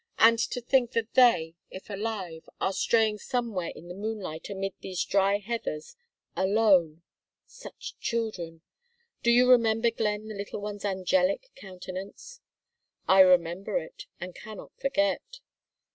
And to think that they, if alive, are straying somewhere in the moonlight amid these dry heathers alone such children! Do you remember, Glenn, the little one's angelic countenance?" "I remember it, and cannot forget."